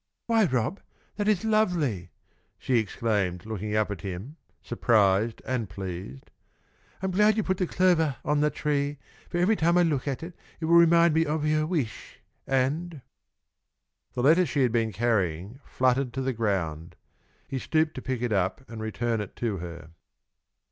"Why, Rob, that is lovely!" she exclaimed, looking up at him, surprised and pleased. "I'm glad you put that clovah on the tree, for every time I look at it, it will remind me of yoah wish, and " The letter she had been carrying fluttered to the ground. He stooped to pick it up and return it to her.